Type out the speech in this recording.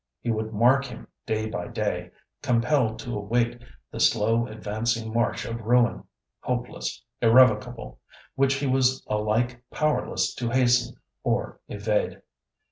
He would mark him day by day, compelled to await the slow advancing march of ruin—hopeless, irrevocable—which he was alike powerless to hasten or evade.